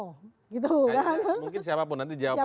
mungkin siapapun nanti jawab